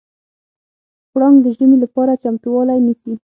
پړانګ د ژمي لپاره چمتووالی نیسي.